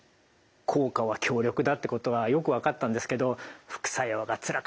効果は強力だってことはよく分かったんですけど副作用がつらかったっていうお話ありました。